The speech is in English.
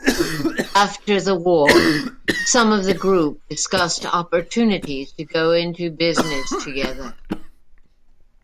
After the war, some of the group discussed opportunities to go into business together.